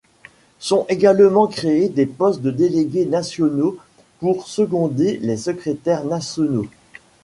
Sont également créés des postes de délégués nationaux pour seconder les secrétaires nationaux.